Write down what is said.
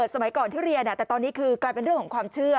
สมัยก่อนที่เรียนแต่ตอนนี้คือกลายเป็นเรื่องของความเชื่อ